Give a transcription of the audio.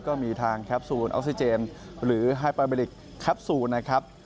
ก็มีทางแคปซูลออกซิเจนหรือไฮปาเมริกแคปซูลนะครับ